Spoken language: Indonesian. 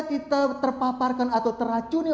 kita terpaparkan atau teracuni